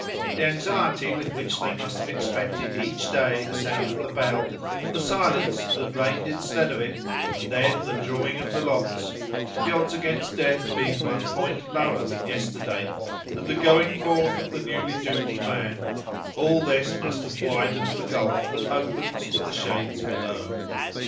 The anxiety with which they must have expected each day the sound of the bell, the silence that reigned instead of it, and then the drawing of the lots (the odds against death being one point lower than yesterday), and the going forth of the newly doomed man—all this must have widened the gulf that opens to the shades below.